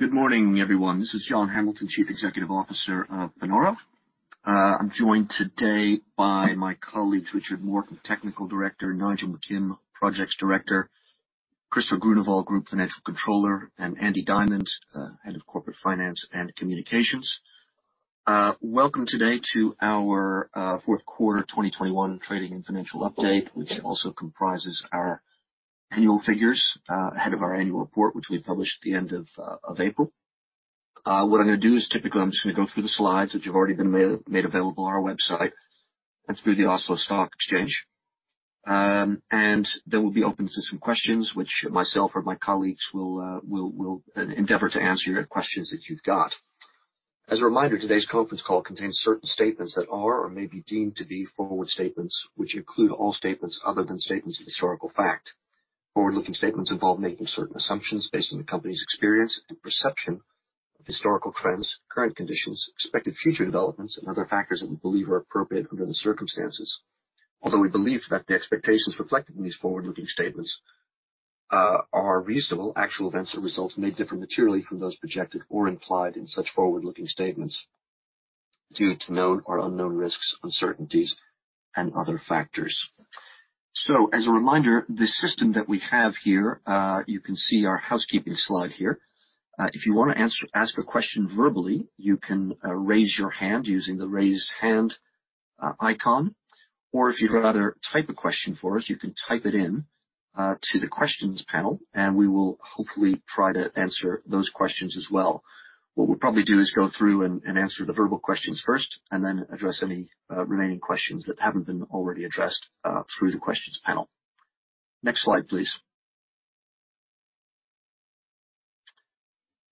Good morning, everyone. This is John Hamilton, Chief Executive Officer of Panoro. I'm joined today by my colleagues, Richard Morton, Technical Director, Nigel McKim, Projects Director, Christoffer Bachke, Group Financial Controller, and Andy Dymond, Head of Corporate Finance and Communications. Welcome today to our fourth quarter 2021 trading and financial update, which also comprises our annual figures, ahead of our annual report, which we publish at the end of April. What I'm gonna do is typically I'm just gonna go through the slides, which have already been made available on our website and through the Oslo Stock Exchange. We'll be open to some questions which myself or my colleagues will endeavor to answer your questions that you've got. As a reminder, today's conference call contains certain statements that are or may be deemed to be forward statements, which include all statements other than statements of historical fact. Forward-looking statements involve making certain assumptions based on the company's experience and perception of historical trends, current conditions, expected future developments and other factors that we believe are appropriate under the circumstances. Although we believe that the expectations reflected in these forward-looking statements are reasonable, actual events or results may differ materially from those projected or implied in such forward-looking statements due to known or unknown risks, uncertainties, and other factors. As a reminder, the system that we have here, you can see our housekeeping slide here. If you wanna ask a question verbally, you can raise your hand using the Raise Hand icon, or if you'd rather type a question for us, you can type it in to the questions panel, and we will hopefully try to answer those questions as well. What we'll probably do is go through and answer the verbal questions first and then address any remaining questions that haven't been already addressed through the questions panel. Next slide, please.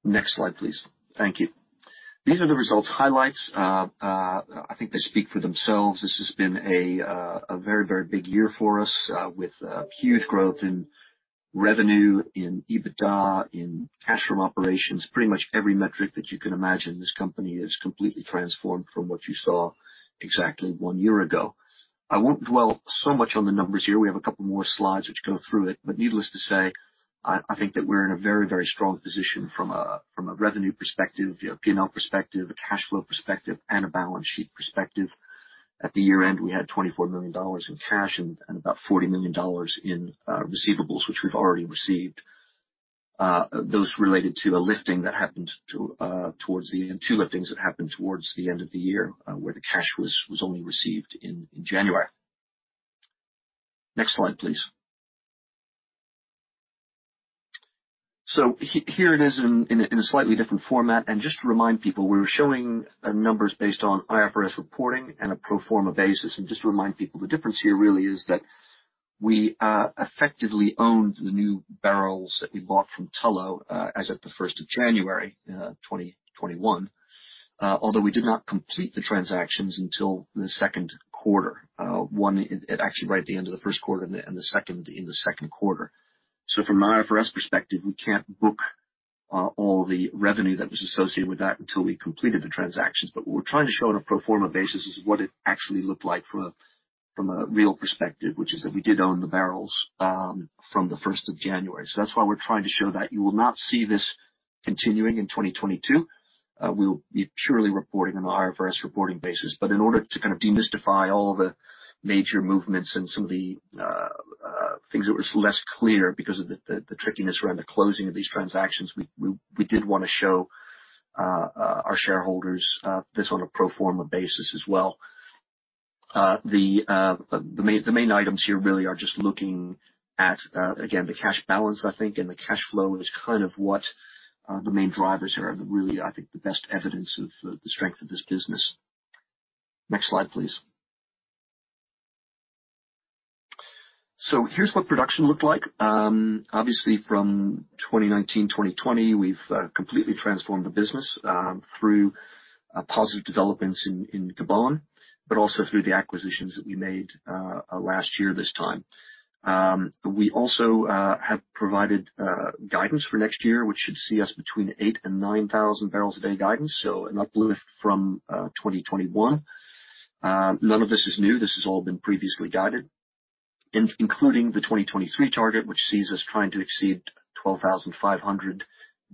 Next slide, please. Thank you. These are the results highlights. I think they speak for themselves. This has been a very, very big year for us with huge growth in revenue, in EBITDA, in cash from operations. Pretty much every metric that you can imagine, this company is completely transformed from what you saw exactly one year ago. I won't dwell so much on the numbers here. We have a couple more slides which go through it. Needless to say, I think that we're in a very, very strong position from a revenue perspective, a P&L perspective, a cash flow perspective, and a balance sheet perspective. At the year-end, we had $24 million in cash and about $40 million in receivables, which we've already received. Those related to a lifting that happened towards the end, two liftings that happened towards the end of the year, where the cash was only received in January. Next slide, please. Here it is in a slightly different format. Just to remind people, we're showing numbers based on IFRS reporting in a pro forma basis. Just to remind people, the difference here really is that we effectively owned the new barrels that we bought from Tullow as at the first of January 2021, although we did not complete the transactions until the second quarter. One at actually right at the end of the first quarter and the second in the second quarter. From an IFRS perspective, we can't book all the revenue that was associated with that until we completed the transactions. What we're trying to show on a pro forma basis is what it actually looked like from a real perspective, which is that we did own the barrels from the first of January. That's why we're trying to show that. You will not see this continuing in 2022. We will be purely reporting on an IFRS reporting basis. In order to kind of demystify all the major movements and some of the things that was less clear because of the trickiness around the closing of these transactions, we did wanna show our shareholders this on a pro forma basis as well. The main items here really are just looking at, again, the cash balance, I think, and the cash flow is kind of what the main drivers are, really, I think the best evidence of the strength of this business. Next slide, please. Here's what production looked like. Obviously from 2019, 2020, we've completely transformed the business through positive developments in Gabon, but also through the acquisitions that we made last year this time. We also have provided guidance for next year, which should see us between 8,000 and 9,000 barrels a day guidance, so an uplift from 2021. None of this is new. This has all been previously guided. Including the 2023 target, which sees us trying to exceed 12,500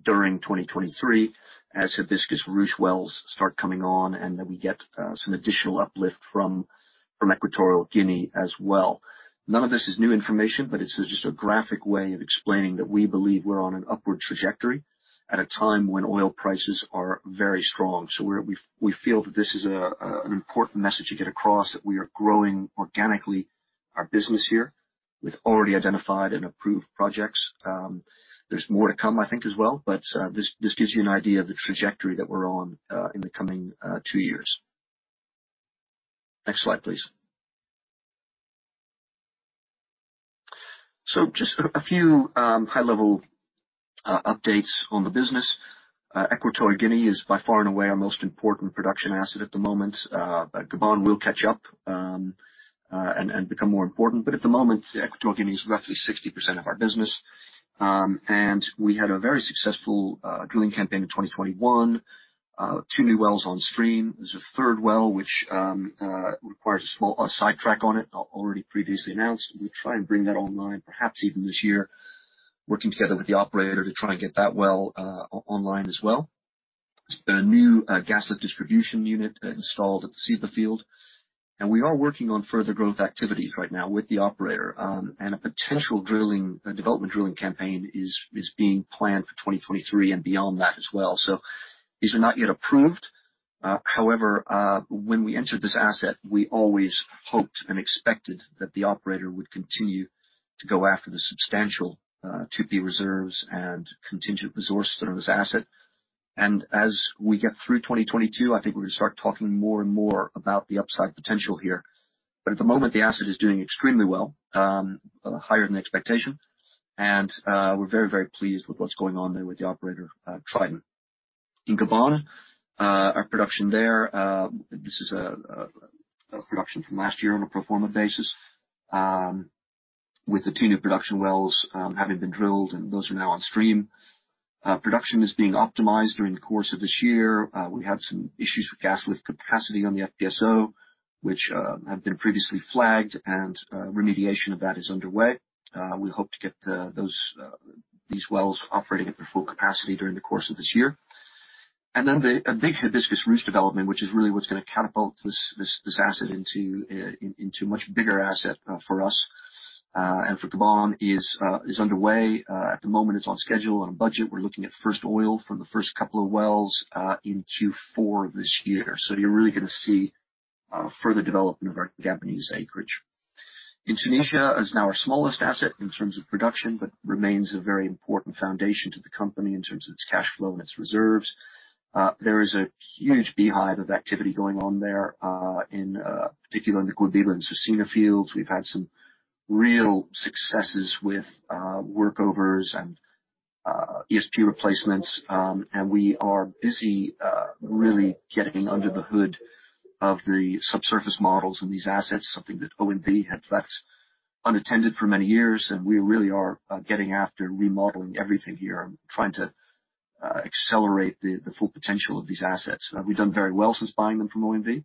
during 2023 as Hibiscus-Ruche wells start coming on, and then we get some additional uplift from Equatorial Guinea as well. None of this is new information, but it's just a graphic way of explaining that we believe we're on an upward trajectory at a time when oil prices are very strong. We feel that this is an important message to get across, that we are growing organically our business here with already identified and approved projects. There's more to come, I think, as well, but this gives you an idea of the trajectory that we're on in the coming two years. Next slide, please. Just a few high-level updates on the business. Equatorial Guinea is by far and away our most important production asset at the moment. Gabon will catch up and become more important. At the moment, Equatorial Guinea is roughly 60% of our business. We had a very successful drilling campaign in 2021. Two new wells on stream. There's a third well which requires a small sidetrack on it already previously announced. We'll try and bring that online perhaps even this year, working together with the operator to try and get that well online as well. There's been a new gas lift distribution unit installed at the Ceiba field, and we are working on further growth activities right now with the operator, and a potential drilling development drilling campaign is being planned for 2023 and beyond that as well. These are not yet approved. However, when we entered this asset, we always hoped and expected that the operator would continue to go after the substantial 2P reserves and contingent resource that are in this asset. As we get through 2022, I think we're gonna start talking more and more about the upside potential here. At the moment, the asset is doing extremely well, higher than expectation. We're very, very pleased with what's going on there with the operator, Trident. In Gabon, our production there, this is a production from last year on a pro forma basis, with the two new production wells having been drilled, and those are now on stream. Production is being optimized during the course of this year. We had some issues with gas lift capacity on the FPSO, which have been previously flagged and remediation of that is underway. We hope to get these wells operating at their full capacity during the course of this year. The big Hibiscus-Ruche development, which is really what's gonna catapult this asset into a much bigger asset for us and for Gabon, is underway. At the moment it's on schedule and on budget. We're looking at first oil from the first couple of wells in Q4 of this year. You're really gonna see further development of our Gabonese acreage. In Tunisia is now our smallest asset in terms of production, but remains a very important foundation to the company in terms of its cash flow and its reserves. There is a huge beehive of activity going on there, in particular in the Guebiba and Cercina fields. We've had some real successes with workovers and ESP replacements. We are busy really getting under the hood of the subsurface models in these assets, something that OMV had left unattended for many years, and we really are getting after remodeling everything here and trying to accelerate the full potential of these assets. We've done very well since buying them from OMV.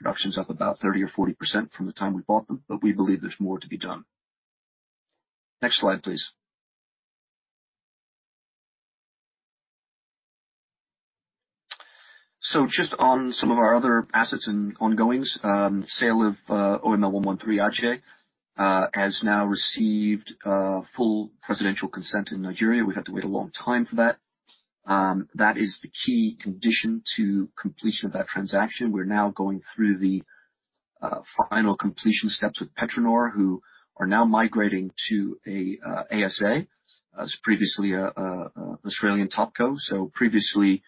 Production's up about 30% or 40% from the time we bought them, but we believe there's more to be done. Next slide, please. Just on some of our other assets and ongoings, sale of OML 113 Aje has now received full presidential consent in Nigeria. We had to wait a long time for that. That is the key condition to completion of that transaction. We're now going through the final completion steps with PetroNor, who are now migrating to a ASA. It was previously an Australian topco. Previously,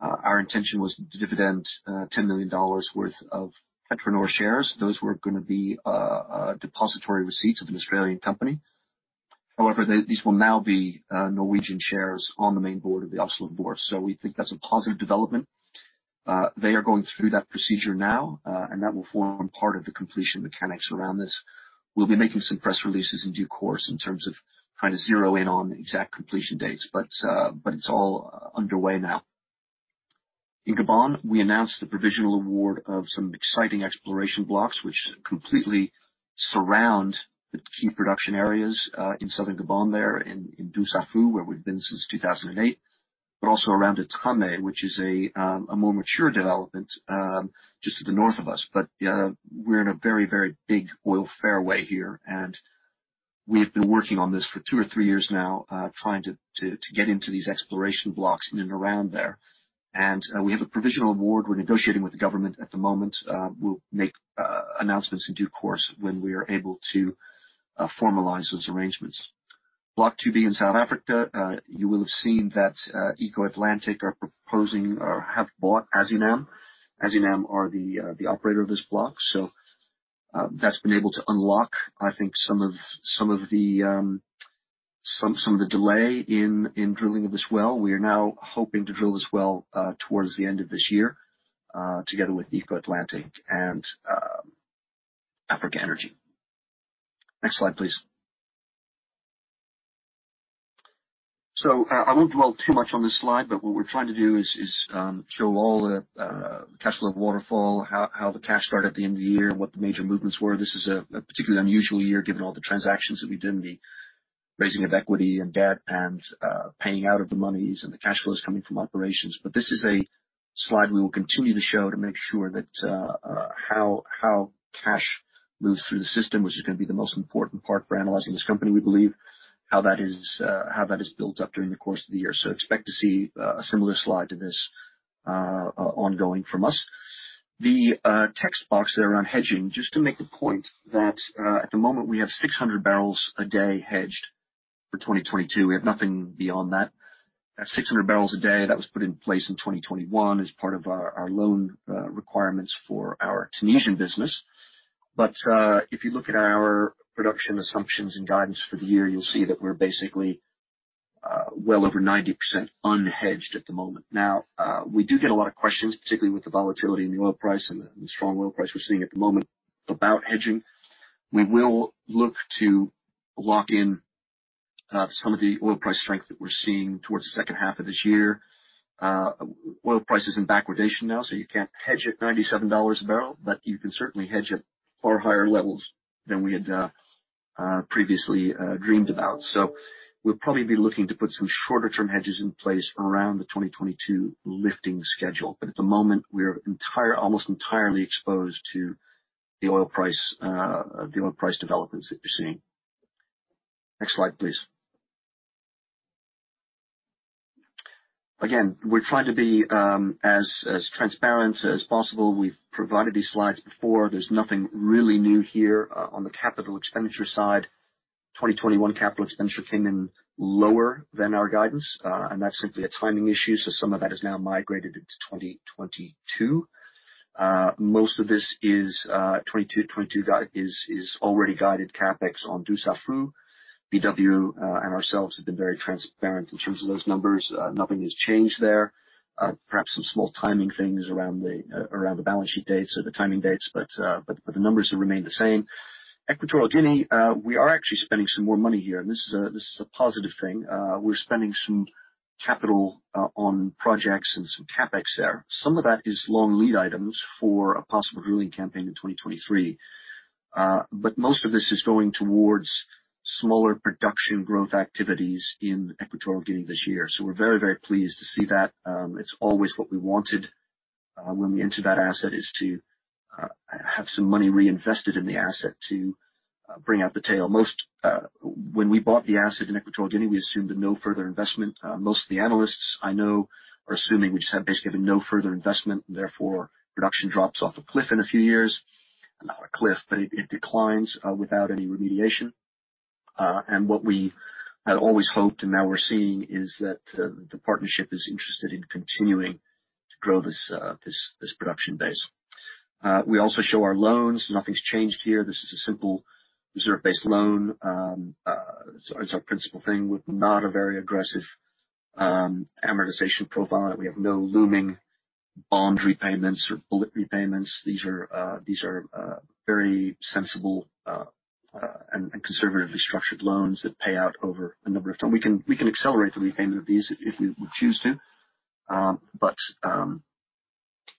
our intention was to dividend $10 million worth of PetroNor shares. Those were gonna be depository receipts of an Australian company. However, these will now be Norwegian shares on the main board of the Oslo Børs. We think that's a positive development. They are going through that procedure now, and that will form part of the completion mechanics around this. We'll be making some press releases in due course in terms of trying to zero in on exact completion dates, but it's all underway now. In Gabon, we announced the provisional award of some exciting exploration blocks which completely surround the key production areas in southern Gabon, in Dussafu, where we've been since 2008, but also around Etame, which is a more mature development just to the north of us. You know, we're in a very, very big oil fairway here, and we have been working on this for two or three years now, trying to get into these exploration blocks in and around there. We have a provisional award. We're negotiating with the government at the moment. We'll make announcements in due course when we are able to formalize those arrangements. Block 2B in South Africa, you will have seen that, Eco Atlantic are proposing or have bought Azinam. Azinam are the operator of this block. That's been able to unlock, I think, some of the delay in drilling of this well. We are now hoping to drill this well towards the end of this year together with Eco Atlantic and Africa Energy. Next slide, please. I won't dwell too much on this slide, but what we're trying to do is show all the cash flow waterfall, how the cash started at the end of the year and what the major movements were. This is a particularly unusual year given all the transactions that we did in the raising of equity and debt and paying out of the monies and the cash flows coming from operations. This is a slide we will continue to show to make sure that how cash moves through the system, which is gonna be the most important part for analyzing this company, we believe, how that has built up during the course of the year. Expect to see a similar slide to this ongoing from us. The text box there around hedging, just to make the point that at the moment, we have 600 barrels a day hedged for 2022. We have nothing beyond that. That 600 barrels a day, that was put in place in 2021 as part of our loan requirements for our Tunisian business. If you look at our production assumptions and guidance for the year, you'll see that we're basically well over 90% unhedged at the moment. Now, we do get a lot of questions, particularly with the volatility in the oil price and the strong oil price we're seeing at the moment about hedging. We will look to lock in some of the oil price strength that we're seeing towards the second half of this year. Oil price is in backwardation now, so you can't hedge at $97 a barrel, but you can certainly hedge at far higher levels than we had previously dreamed about. So we'll probably be looking to put some shorter term hedges in place around the 2022 lifting schedule. At the moment, we're almost entirely exposed to the oil price developments that you're seeing. Next slide, please. Again, we're trying to be as transparent as possible. We've provided these slides before. There's nothing really new here. On the capital expenditure side, 2021 capital expenditure came in lower than our guidance, and that's simply a timing issue. Some of that has now migrated into 2022. Most of this is 2022 guidance is already guided CapEx on Dussafu. BW and ourselves have been very transparent in terms of those numbers. Nothing has changed there. Perhaps some small timing things around the balance sheet dates or the timing dates, but the numbers have remained the same. Equatorial Guinea, we are actually spending some more money here, and this is a positive thing. We're spending some capital on projects and some CapEx there. Some of that is long lead items for a possible drilling campaign in 2023. But most of this is going towards smaller production growth activities in Equatorial Guinea this year. We're very, very pleased to see that. It's always what we wanted when we entered that asset, is to have some money reinvested in the asset to bring out the tail. Most, when we bought the asset in Equatorial Guinea, we assumed that no further investment. Most of the analysts I know are assuming we just have basically no further investment and therefore production drops off a cliff in a few years. Not a cliff, but it declines without any remediation. What we had always hoped, and now we're seeing, is that the partnership is interested in continuing to grow this production base. We also show our loans. Nothing's changed here. This is a simple reserve-based loan. It's our principal thing with not a very aggressive amortization profile. We have no looming bond repayments or bullet repayments. These are very sensible and conservatively structured loans that pay out over a number of time. We can accelerate the repayment of these if we choose to.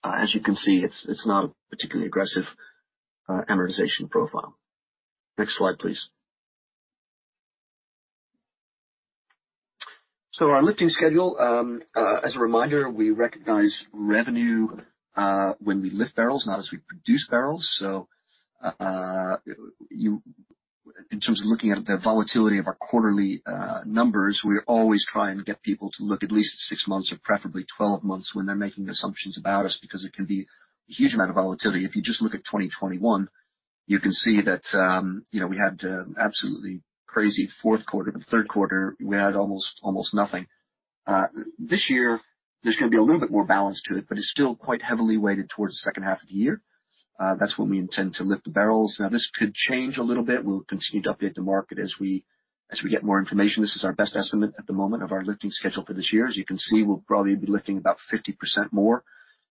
As you can see, it's not a particularly aggressive amortization profile. Next slide, please. Our lifting schedule, as a reminder, we recognize revenue when we lift barrels, not as we produce barrels. In terms of looking at the volatility of our quarterly numbers, we always try and get people to look at least six months or preferably 12 months when they're making assumptions about us, because it can be a huge amount of volatility. If you just look at 2021, you can see that, you know, we had absolutely crazy fourth quarter, but third quarter we had almost nothing. This year there's gonna be a little bit more balance to it, but it's still quite heavily weighted towards the second half of the year. That's when we intend to lift the barrels. Now, this could change a little bit. We'll continue to update the market as we get more information. This is our best estimate at the moment of our lifting schedule for this year. As you can see, we'll probably be lifting about 50% more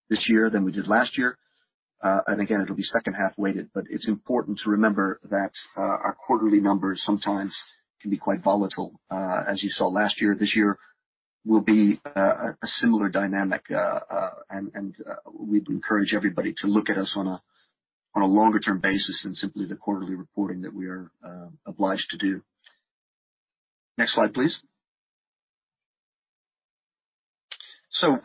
this year than we did last year. Again, it'll be second half weighted. It's important to remember that our quarterly numbers sometimes can be quite volatile. As you saw last year, this year will be a similar dynamic. We'd encourage everybody to look at us on a longer term basis than simply the quarterly reporting that we are obliged to do. Next slide, please.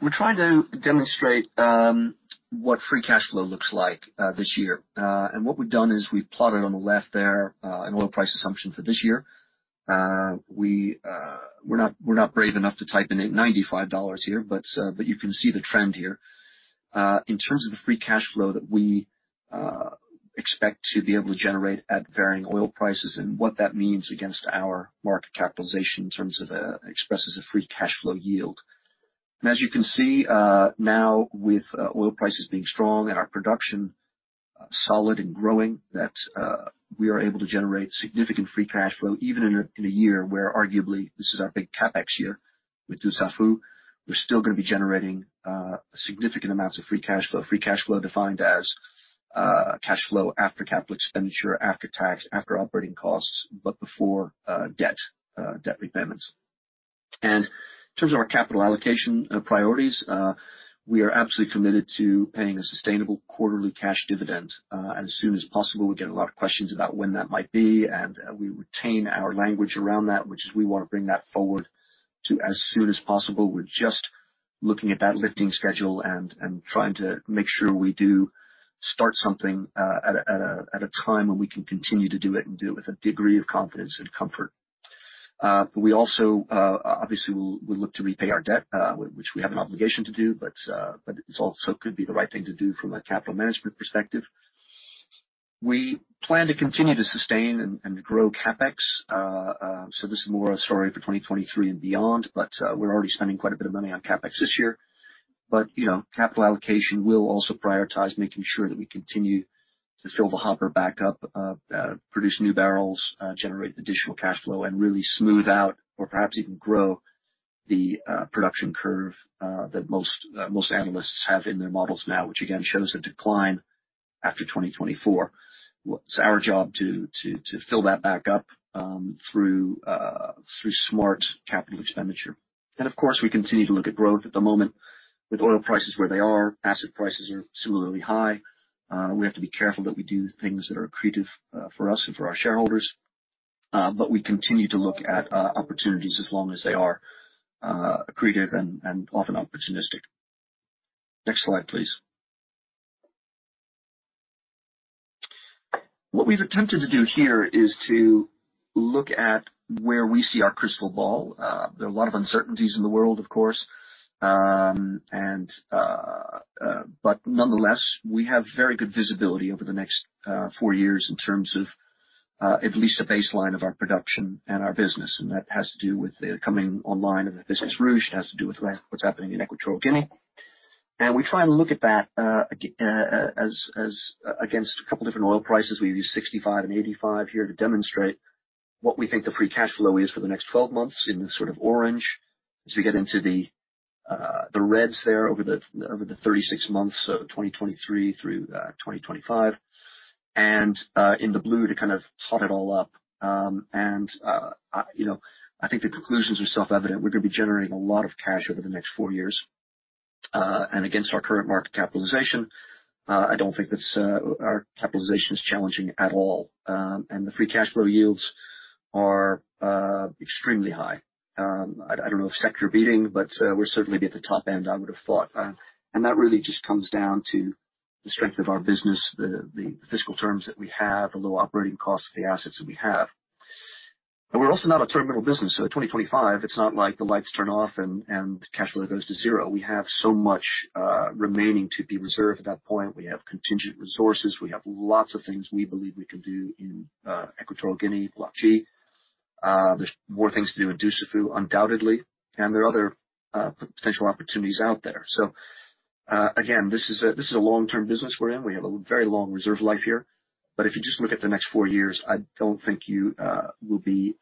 We're trying to demonstrate what free cash flow looks like this year. What we've done is we've plotted on the left there, an oil price assumption for this year. We're not brave enough to type in $95 here, but you can see the trend here. In terms of the free cash flow that we expect to be able to generate at varying oil prices and what that means against our market capitalization in terms of expresses a free cash flow yield. As you can see, now with oil prices being strong and our production solid and growing, that we are able to generate significant free cash flow even in a year where arguably this is our big CapEx year with Dussafu. We're still gonna be generating significant amounts of free cash flow. Free cash flow defined as, cash flow after capital expenditure, after tax, after operating costs, but before, debt repayments. In terms of our capital allocation, priorities, we are absolutely committed to paying a sustainable quarterly cash dividend, as soon as possible. We get a lot of questions about when that might be, and we retain our language around that, which is we wanna bring that forward to as soon as possible. We're just looking at that lifting schedule and trying to make sure we do start something, at a time when we can continue to do it and do it with a degree of confidence and comfort. We also obviously will look to repay our debt, which we have an obligation to do, but it could also be the right thing to do from a capital management perspective. We plan to continue to sustain and grow CapEx. This is more a story for 2023 and beyond, but we're already spending quite a bit of money on CapEx this year. You know, capital allocation will also prioritize making sure that we continue to fill the hopper back up, produce new barrels, generate additional cash flow, and really smooth out or perhaps even grow the production curve that most analysts have in their models now, which again shows a decline after 2024. Well, it's our job to fill that back up through smart capital expenditure. Of course, we continue to look at growth at the moment. With oil prices where they are, asset prices are similarly high. We have to be careful that we do things that are accretive for us and for our shareholders. We continue to look at opportunities as long as they are accretive and often opportunistic. Next slide, please. What we've attempted to do here is to look at where we see our crystal ball. There are a lot of uncertainties in the world, of course. Nonetheless, we have very good visibility over the next four years in terms of at least a baseline of our production and our business. That has to do with the coming online of the Hibiscus-Ruche. It has to do with what's happening in Equatorial Guinea. We try and look at that as against a couple different oil prices. We've used $65 and $85 here to demonstrate what we think the free cash flow is for the next 12 months in the sort of orange as we get into the reds there over the 36 months, so 2023 through 2025. In the blue to kind of tot it all up. You know, I think the conclusions are self-evident. We're gonna be generating a lot of cash over the next four years. Against our current market capitalization, I don't think our capitalization is challenging at all. The free cash flow yields are extremely high. I don't know if sector-beating, but we're certainly at the top-end, I would have thought. That really just comes down to the strength of our business, the fiscal terms that we have, the low operating costs of the assets that we have. We're also not a terminal business. At 2025, it's not like the lights turn off and cash flow goes to zero. We have so much remaining to be reserved at that point. We have contingent resources. We have lots of things we believe we can do in Equatorial Guinea, Block G. There's more things to do in Dussafu, undoubtedly. There are other potential opportunities out there. Again, this is a long-term business we're in. We have a very long reserve life here. If you just look at the next four years, I don't think you will be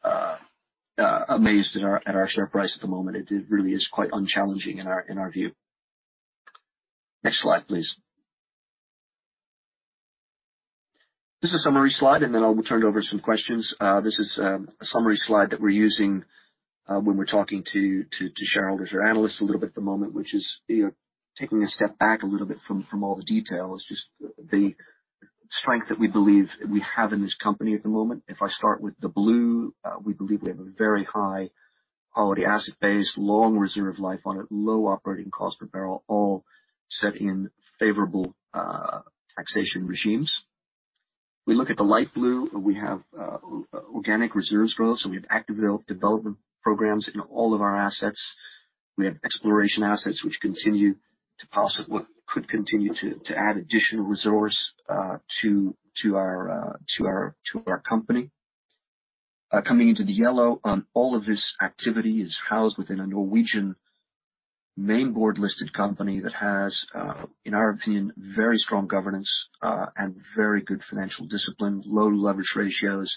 amazed at our share price at the moment. It really is quite unchallenging in our view. Next slide, please. This is a summary slide that we're using when we're talking to shareholders or analysts a little bit at the moment, which is, you know, taking a step back a little bit from all the details, just the strength that we believe we have in this company at the moment. If I start with the blue, we believe we have a very high quality asset base, long reserve life on it, low operating cost per barrel, all set in favorable taxation regimes. We look at the light blue, and we have organic reserves growth, so we have active development programs in all of our assets. We have exploration assets which could continue to add additional resource to our company. Coming into the yellow on all of this activity is housed within a Norwegian main board-listed company that has, in our opinion, very strong governance, and very good financial discipline, low leverage ratios,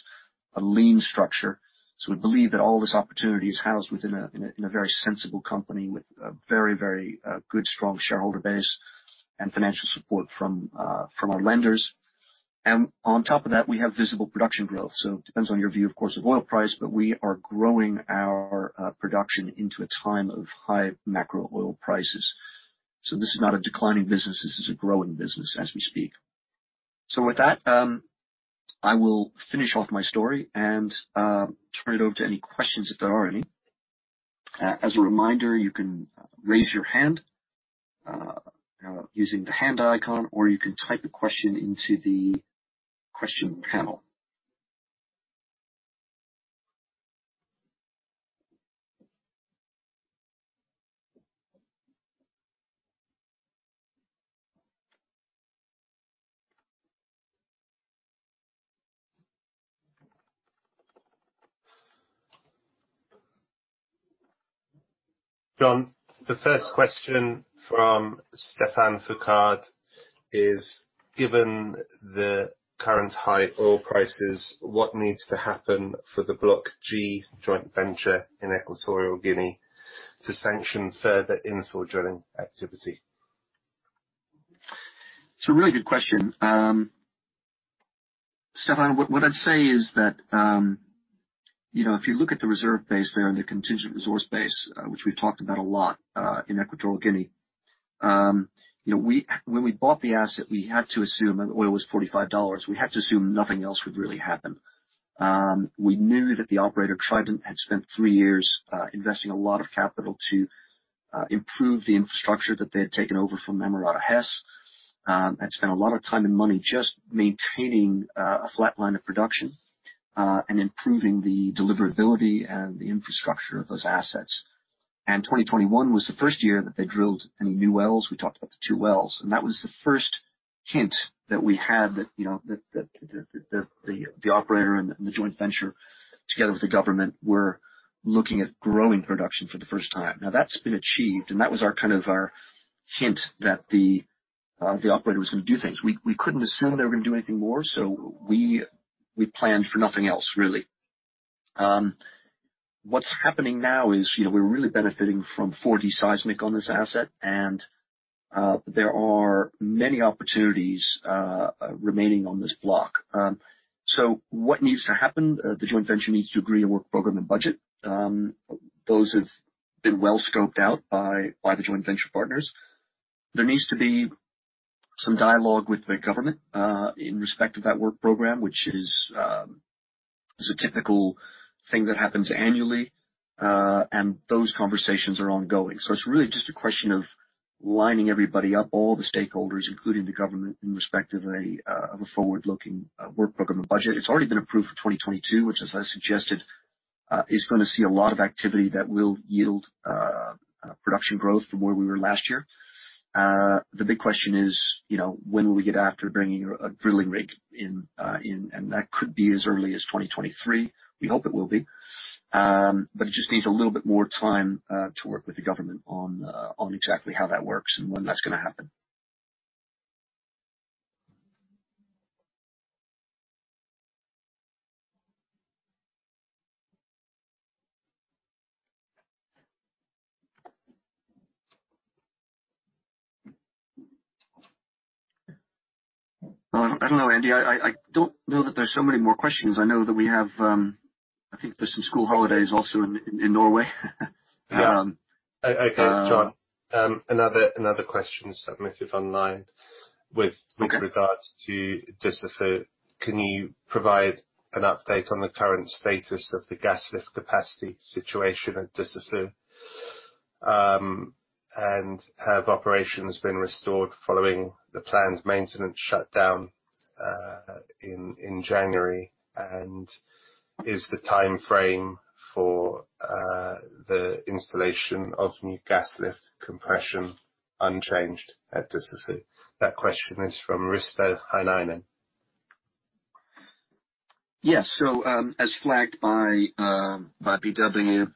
a lean structure. We believe that all this opportunity is housed within a very sensible company with a very good, strong shareholder base and financial support from our lenders. On top of that, we have visible production growth. It depends on your view, of course, of oil price, but we are growing our production into a time of high macro oil prices. This is not a declining business. This is a growing business as we speak. With that, I will finish off my story and turn it over to any questions if there are any. As a reminder, you can raise your hand using the hand icon, or you can type a question into the question panel. John, the first question from Stéphane Foucaud is: Given the current high oil prices, what needs to happen for the Block G joint venture in Equatorial Guinea to sanction further infill drilling activity? It's a really good question. Stephane, what I'd say is that, you know, if you look at the reserve base there and the contingent resource base, which we've talked about a lot, in Equatorial Guinea, you know, when we bought the asset, we had to assume, and oil was $45, nothing else would really happen. We knew that the operator, Trident, had spent three years investing a lot of capital to improve the infrastructure that they had taken over from Amerada Hess, and spent a lot of time and money just maintaining a flat line of production, and improving the deliverability and the infrastructure of those assets. 2021 was the first year that they drilled any new wells. We talked about the two wells. That was the first hint that we had, that you know, that the operator and the joint venture together with the government were looking at growing production for the first time. Now, that's been achieved, and that was our kind of hint that the operator was gonna do things. We couldn't assume they were gonna do anything more, so we planned for nothing else, really. What's happening now is, you know, we're really benefiting from 4D seismic on this asset, and there are many opportunities remaining on this block. What needs to happen, the joint venture needs to agree on work program and budget. Those have been well scoped out by the joint venture partners. There needs to be some dialogue with the government in respect of that work program, which is a typical thing that happens annually, and those conversations are ongoing. It's really just a question of lining everybody up, all the stakeholders, including the government in respect of a forward-looking work program and budget. It's already been approved for 2022, which, as I suggested, is gonna see a lot of activity that will yield production growth from where we were last year. The big question is, you know, when will we get after bringing a drilling rig in, and that could be as early as 2023. We hope it will be. It just needs a little bit more time to work with the government on exactly how that works and when that's gonna happen. I don't know, Andy. I don't know that there's so many more questions. I know that we have. I think there's some school holidays also in Norway. Yeah. Um- Okay, John. Another question submitted online with- Okay. With regards to Dussafu. Can you provide an update on the current status of the gas lift capacity situation at Dussafu? Have operations been restored following the planned maintenance shutdown in January? Is the timeframe for the installation of new gas lift compression unchanged at Dussafu? That question is from Risto Heinonen. Yes. As flagged by BW,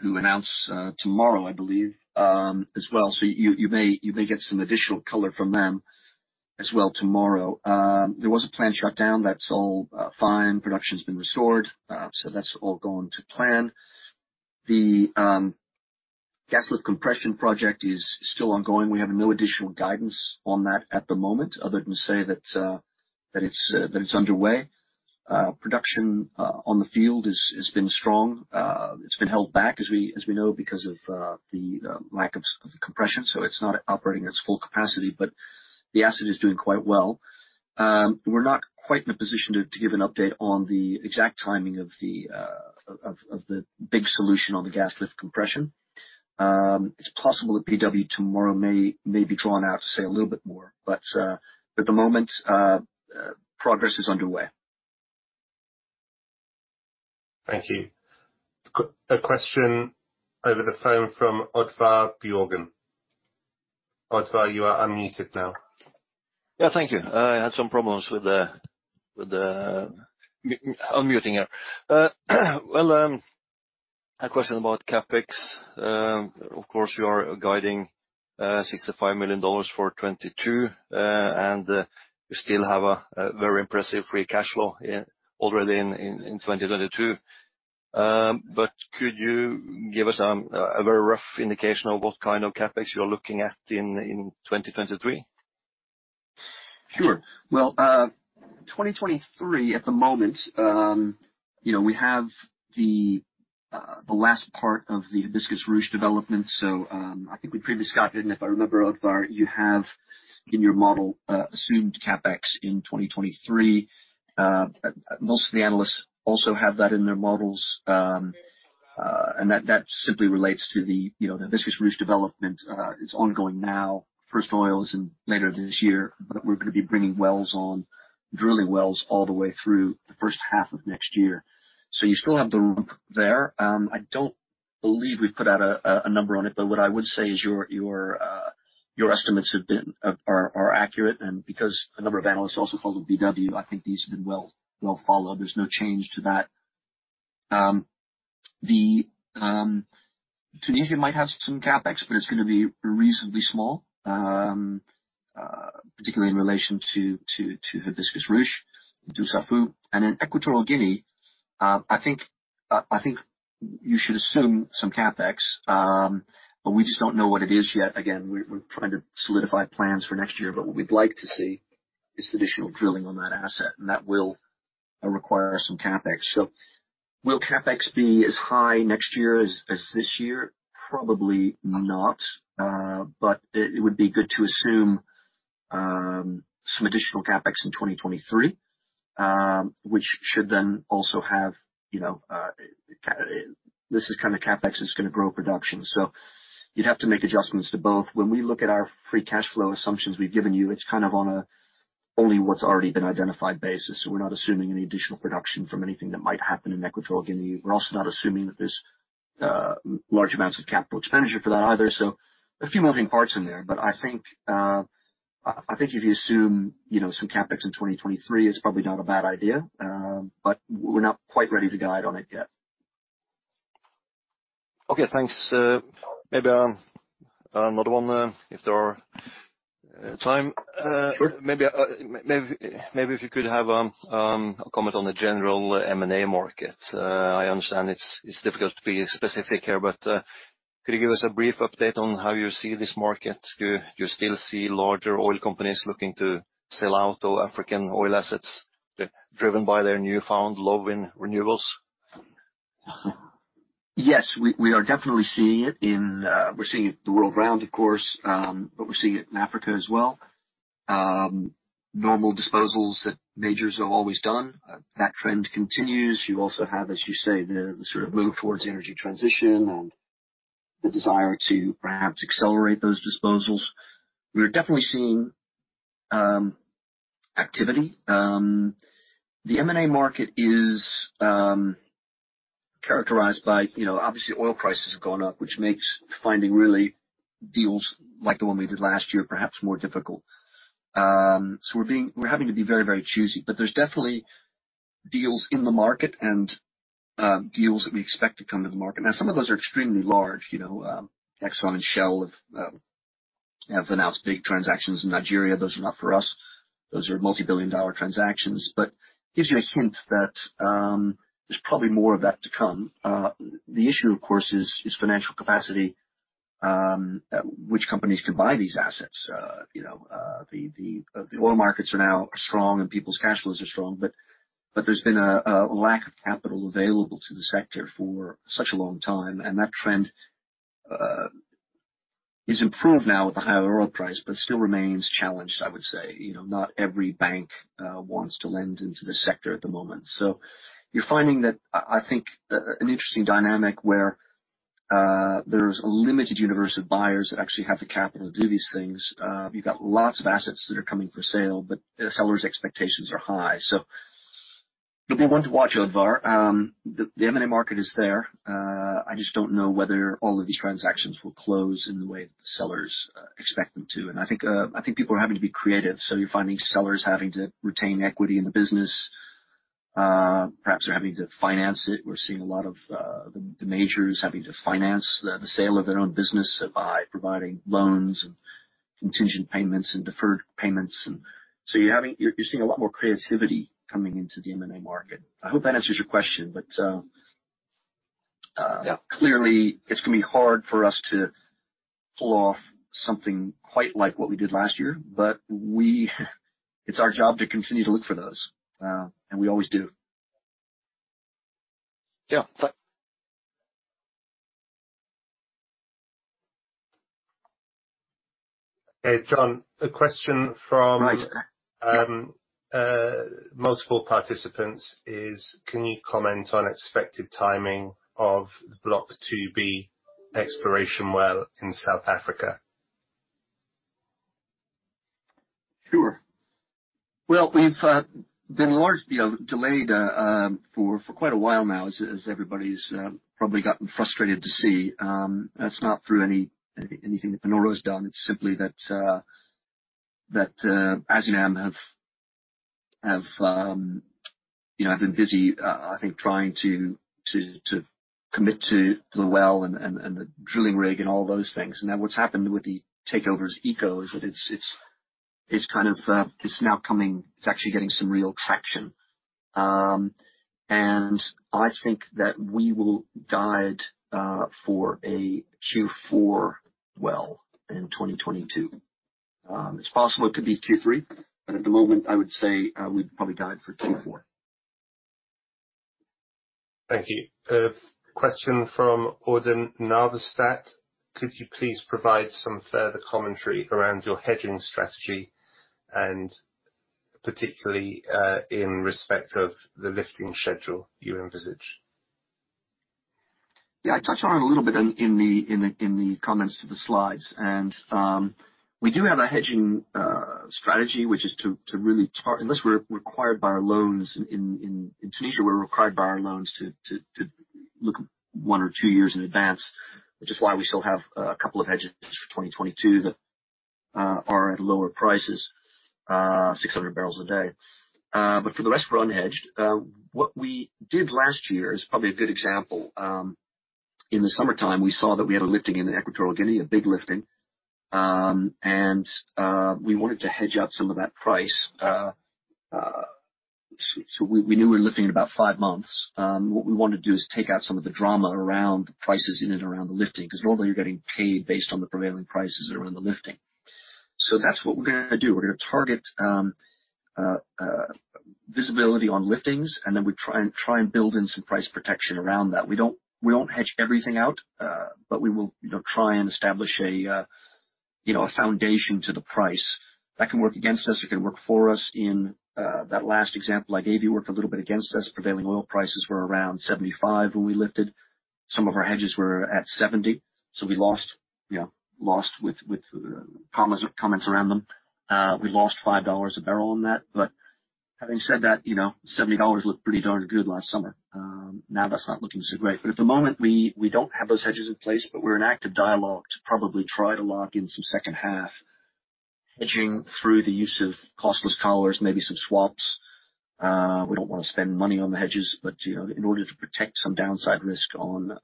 who announce tomorrow, I believe, as well, you may get some additional color from them as well tomorrow. There was a planned shutdown. That's all fine. Production's been restored. That's all gone to plan. The gas lift compression project is still ongoing. We have no additional guidance on that at the moment other than say that it's underway. Production on the field has been strong. It's been held back, as we know, because of the lack of compression, so it's not operating at its full capacity, but the asset is doing quite well. We're not quite in a position to give an update on the exact timing of the big solution on the gas lift compression. It's possible that BW tomorrow may be drawn out to say a little bit more, but at the moment, progress is underway. Thank you. A question over the phone from Oddvar Bjørgan. Oddvar, you are unmuted now. Yeah. Thank you. I had some problems with the unmuting here. A question about CapEx. Of course, you are guiding $65 million for 2022, and you still have a very impressive free cash flow, yeah, already in 2022. Could you give us a very rough indication of what kind of CapEx you're looking at in 2023? Sure. Well, 2023 at the moment, you know, we have the last part of the Hibiscus-Ruche development, so I think we previously got it. If I remember, Oddvar, you have in your model assumed CapEx in 2023. Most of the analysts also have that in their models, and that simply relates to the, you know, the Hibiscus-Ruche development, is ongoing now. First oil is in later this year, but we're gonna be bringing wells on, drilling wells all the way through the first half of next year. You still have the rump there. I don't believe we've put out a number on it, but what I would say is your estimates are accurate. Because a number of analysts also follow BW, I think these have been well followed. There's no change to that. Tunisia might have some CapEx, but it's gonna be reasonably small, particularly in relation to Hibiscus-Ruche, Dussafu. In Equatorial Guinea, I think you should assume some CapEx, but we just don't know what it is yet. Again, we're trying to solidify plans for next year, but what we'd like to see is additional drilling on that asset, and that will require some CapEx. Will CapEx be as high next year as this year? Probably not. It would be good to assume some additional CapEx in 2023, which should then also have, you know, this is kind of CapEx that's gonna grow production, so you'd have to make adjustments to both. When we look at our free cash flow assumptions we've given you, it's kind of on an only what's already been identified basis. We're not assuming any additional production from anything that might happen in Equatorial Guinea. We're also not assuming that there's large amounts of capital expenditure for that either. A few moving parts in there, but I think if you assume, you know, some CapEx in 2023, it's probably not a bad idea. We're not quite ready to guide on it yet. Okay, thanks. Maybe another one, if there are time. Sure. Maybe if you could have a comment on the general M&A market. I understand it's difficult to be specific here, but could you give us a brief update on how you see this market? Do you still see larger oil companies looking to sell out to African oil assets driven by their newfound love in renewables? Yes. We are definitely seeing it in, we're seeing it the world around, of course. We're seeing it in Africa as well. Normal disposals that majors have always done, that trend continues. You also have, as you say, the sort of move towards energy transition and the desire to perhaps accelerate those disposals. We are definitely seeing activity. The M&A market is characterized by, you know, obviously oil prices have gone up, which makes finding real deals like the one we did last year, perhaps more difficult. We're having to be very, very choosy. There's definitely deals in the market and, deals that we expect to come to the market. Now, some of those are extremely large. You know, Exxon and Shell have announced big transactions in Nigeria. Those are not for us. Those are multi-billion-dollar transactions, but gives you a hint that there's probably more of that to come. The issue of course is financial capacity, which companies can buy these assets. You know, the oil markets are now strong and people's cash flows are strong, but there's been a lack of capital available to the sector for such a long time. That trend is improved now with the higher oil price, but still remains challenged, I would say. You know, not every bank wants to lend into the sector at the moment. You're finding that, I think an interesting dynamic where there's a limited universe of buyers that actually have the capital to do these things. You've got lots of assets that are coming for sale, but the seller's expectations are high. It'll be one to watch, Oddvar. The M&A market is there. I just don't know whether all of these transactions will close in the way that the sellers expect them to. I think people are having to be creative. You're finding sellers having to retain equity in the business. Perhaps they're having to finance it. We're seeing a lot of the majors having to finance the sale of their own business by providing loans and contingent payments and deferred payments. You're seeing a lot more creativity coming into the M&A market. I hope that answers your question, but clearly it's gonna be hard for us to pull off something quite like what we did last year, but it's our job to continue to look for those. We always do. Yeah. Okay. John, a question from- Right. Multiple participants, can you comment on expected timing of Block 2B exploration well in South Africa? Sure. Well, we've been largely, you know, delayed for quite a while now, as everybody's probably gotten frustrated to see. That's not through anything that Panoro's done. It's simply that Azinam have been busy, you know, I think trying to commit to the well and the drilling rig and all those things. What's happened with the takeover by Eco is that it's kind of now coming. It's actually getting some real traction. I think that we will guide for a Q4 well in 2022. It's possible it could be Q3, but at the moment, I would say we'd probably guide for Q4. Thank you. Question from Odin [Narvostakk]. Could you please provide some further commentary around your hedging strategy and particularly, in respect of the lifting schedule you envisage? Yeah, I touched on it a little bit in the comments to the slides. We do have a hedging strategy, which is unless we're required by our loans in Tunisia to look one or two years in advance. Which is why we still have a couple of hedges for 2022 that are at lower prices, 600 barrels a day. But for the rest, we're unhedged. What we did last year is probably a good example. In the summertime, we saw that we had a lifting in Equatorial Guinea, a big lifting. We wanted to hedge up some of that price. We knew we were lifting in about 5 months. What we wanna do is take out some of the drama around prices in and around the lifting, 'cause normally you're getting paid based on the prevailing prices around the lifting. That's what we're gonna do. We're gonna target visibility on liftings, and then we try and build in some price protection around that. We don't hedge everything out, but we will, you know, try and establish a, you know, a foundation to the price. That can work against us, it can work for us. In that last example I gave you, it worked a little bit against us. Prevailing oil prices were around $75 when we lifted. Some of our hedges were at $70, so we lost, you know, with collars around them. We lost $5 a barrel on that. Having said that, you know, $70 looked pretty darn good last summer. Now that's not looking so great. At the moment, we don't have those hedges in place, but we're in active dialogue to probably try to lock in some second half hedging through the use of costless collars, maybe some swaps. We don't wanna spend money on the hedges, but, you know, in order to protect some downside risk on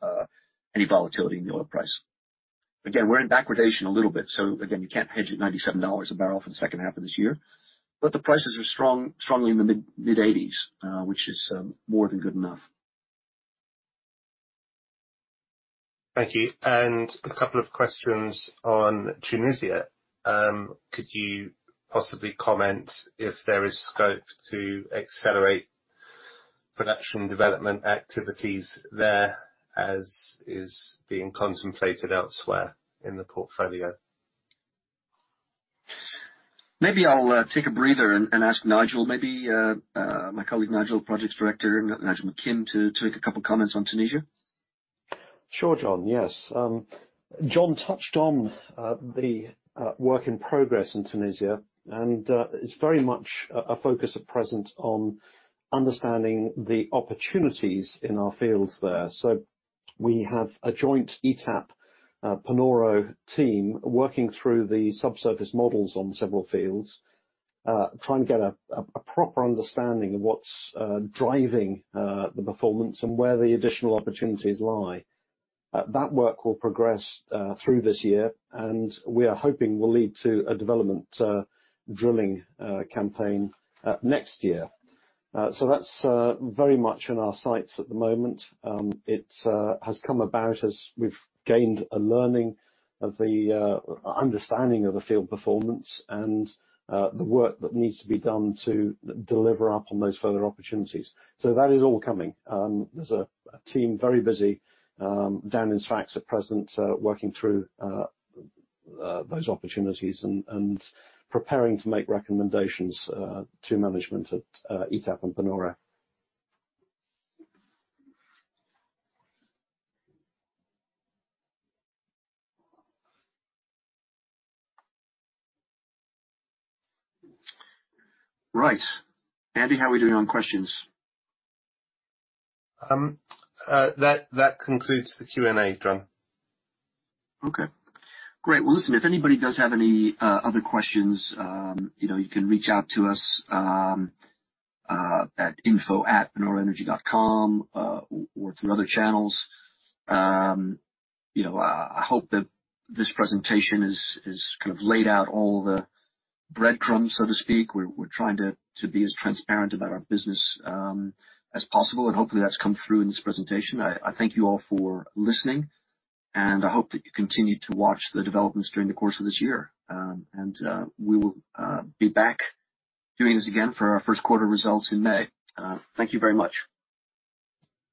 any volatility in the oil price. Again, we're in backwardation a little bit, so again, you can't hedge at $97 a barrel for the second half of this year. The prices are strongly in the mid-80s, which is more than good enough. Thank you. A couple of questions on Tunisia. Could you possibly comment if there is scope to accelerate production development activities there as is being contemplated elsewhere in the portfolio? Maybe I'll take a breather and ask Nigel, maybe, my colleague, Nigel, Projects Director, Nigel McKim, to make a couple comments on Tunisia. Sure, John. Yes. John touched on the work in progress in Tunisia, and it's very much a focus at present on understanding the opportunities in our fields there. We have a joint ETAP Panoro team working through the subsurface models on several fields, trying to get a proper understanding of what's driving the performance and where the additional opportunities lie. That work will progress through this year, and we are hoping will lead to a development drilling campaign next year. That's very much on our sights at the moment. It has come about as we've gained a learning of the understanding of the field performance and the work that needs to be done to deliver up on those further opportunities. That is all coming. There's a team very busy down in Sfax at present, working through those opportunities and preparing to make recommendations to management at ETAP and Panoro. Right. Andy, how are we doing on questions? That concludes the Q&A, John. Okay. Great. Well, listen, if anybody does have any other questions, you know, you can reach out to us at info@panoroenergy.com or through other channels. You know, I hope that this presentation has kind of laid out all the breadcrumbs, so to speak. We're trying to be as transparent about our business as possible, and hopefully that's come through in this presentation. I thank you all for listening, and I hope that you continue to watch the developments during the course of this year. We will be back doing this again for our first quarter results in May. Thank you very much.